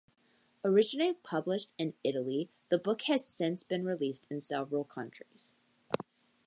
Originally published in Italy, the book has since been released in several countries.